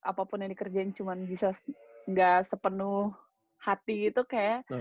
apapun yang dikerjain cuma bisa gak sepenuh hati gitu kayak